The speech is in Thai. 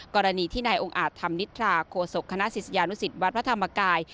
กรณีที่ในองค์อาทธรรมนิษฐาโฆษกคณะศิษยานุสิทธิ์วัดพระธรรมกาย